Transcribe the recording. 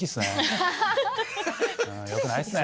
良くないっすね